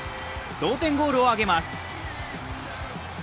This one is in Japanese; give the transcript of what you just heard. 同点ゴールをあげます。